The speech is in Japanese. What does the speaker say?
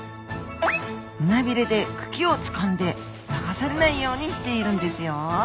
胸ビレで茎をつかんで流されないようにしているんですよ！